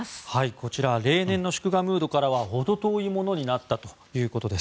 こちら例年の祝賀ムードからは程遠いものになったということです。